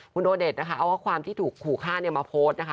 คุณโดเดชนะคะเอาข้อความที่ถูกขู่ฆ่ามาโพสต์นะคะ